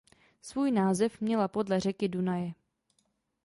Svůj název měla podle řeky Dunaje.